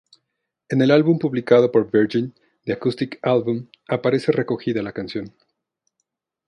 En el álbum publicado por Virgin, "The Acoustic Album" aparece recogida la canción.